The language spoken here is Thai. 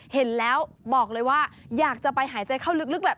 เห็นแล้วบอกเลยว่าอยากจะไปหายใจเข้าลึกแบบ